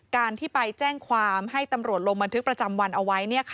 การที่ไปแจ้งความให้ตำรวจลงบันทึกประจำวันเอาไว้